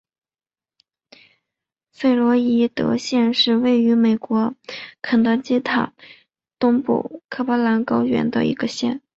弗洛伊德县是位于美国肯塔基州东部坎伯兰高原的一个县。